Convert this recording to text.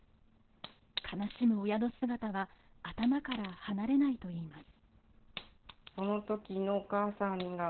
悲しむ親の姿は頭から離れないといいます。